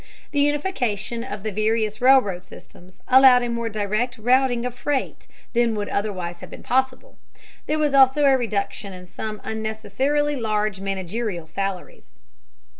The unification of the various railroad systems allowed a more direct routing of freight than would otherwise have been possible. There was also a reduction in some unnecessarily large managerial salaries.